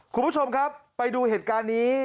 คุณผู้ชมครับไปดูเหตุการณ์นี้